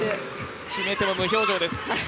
決めても無表情です。